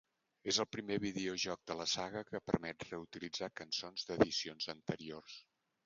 És el primer videojoc de la saga que permet reutilitzar cançons d'edicions anteriors.